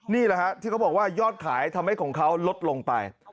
นี่แหละฮะที่เขาบอกว่ายอดขายทำให้ของเขาลดลงไป